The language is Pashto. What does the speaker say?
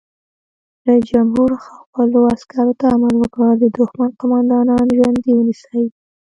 رئیس جمهور خپلو عسکرو ته امر وکړ؛ د دښمن قومندانان ژوندي ونیسئ!